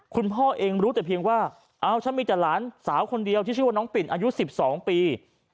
คุณพ่อเองรู้แต่เพียงว่าเอาฉันมีแต่หลานสาวคนเดียวที่ชื่อว่าน้องปิ่นอายุ๑๒ปี